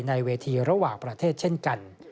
ในเวทีระหว่างประเทศเช่นกัน